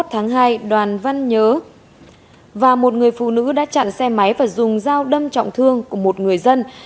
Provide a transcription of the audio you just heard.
hai mươi một tháng hai đoàn vất nhớ và một người phụ nữ đã chặn xe máy và dùng dao đâm trọng thương của một người dân